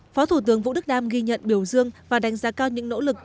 phó thủ tướng vũ đức đam ghi nhận biểu dương và đánh giá cao những nỗ lực